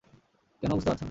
কেন বুঝতে পারছো না?